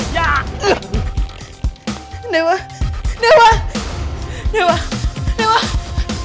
ya ampun ya ampun